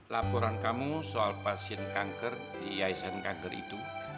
laporan kamu soal pasien kanker di yayasan kanker itu